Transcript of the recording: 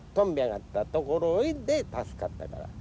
がったところで助かったから。